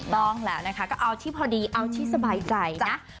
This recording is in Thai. ต้องแล้วนะคะก็เอาที่พอดีเอาที่สบายใจนะ